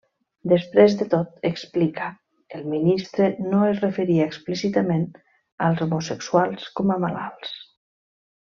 Després de tot, explica, el ministre no es referia explícitament als homosexuals com a malalts.